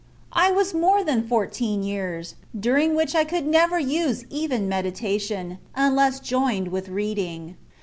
I was more than fourteen years, during which I could never use even meditation, unless joined with reading.